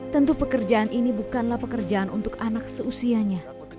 tentu pekerjaan ini bukanlah pekerjaan untuk anak seusianya